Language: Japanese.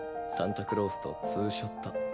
サンタクロースと２ショット。